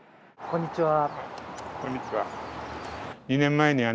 こんにちは。